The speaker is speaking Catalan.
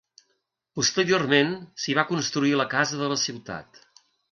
Posteriorment s'hi va construir la Casa de la Ciutat.